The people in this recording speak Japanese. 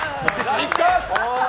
失格！